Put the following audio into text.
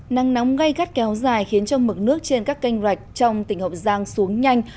nắng nóng ngay gắt kéo dài khiến trong mực nước trên các canh rạch trong tỉnh hậu giang xuống nhanh